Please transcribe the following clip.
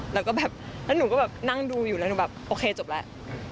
แล้วก็แบบแล้วหนูก็แบบนั่งดูอยู่แล้วหนูแบบโอเคจบแล้ว